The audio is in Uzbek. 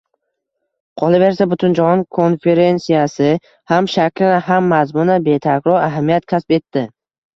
Qolaversa, Butunjahon konferensiyasi ham shaklan, ham mazmunan betakror ahamiyat kasb etdi.